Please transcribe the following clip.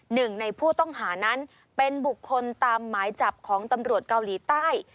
หนึ่งในผู้ต้องหานั้นเป็นบุคคลตามหมายจับของตำรวจเกาหลีใต้